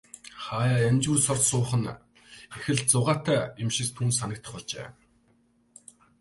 Хааяа янжуур сорж суух нь их л зугаатай юм шиг түүнд санагдах болжээ.